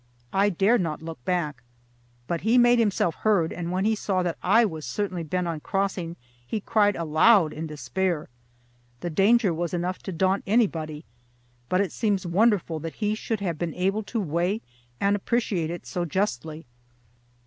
I dared not look back, but he made himself heard; and when he saw that I was certainly bent on crossing he cried aloud in despair. The danger was enough to daunt anybody, but it seems wonderful that he should have been able to weigh and appreciate it so justly.